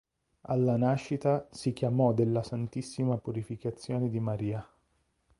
Alla nascita si chiamò della Santissima Purificazione di Maria.